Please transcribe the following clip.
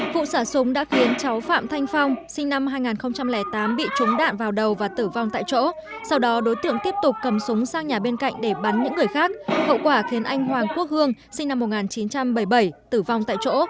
vụ xả súng đã khiến cháu phạm thanh phong sinh năm hai nghìn tám bị trúng đạn vào đầu và tử vong tại chỗ sau đó đối tượng tiếp tục cầm súng sang nhà bên cạnh để bắn những người khác hậu quả khiến anh hoàng quốc hương sinh năm một nghìn chín trăm bảy mươi bảy tử vong tại chỗ